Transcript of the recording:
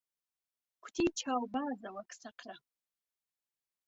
کوتی چاوبازه وهک سهقره